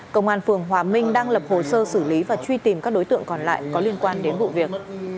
công an phường hòa minh đang lập hồ sơ xử lý và truy tìm các đối tượng còn lại có liên quan đến vụ việc